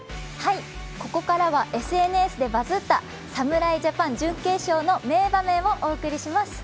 ここからはＳＮＳでバズった、侍ジャパン準決勝の名場面をお送りします。